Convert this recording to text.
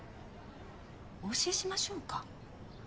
お教えしましょうか？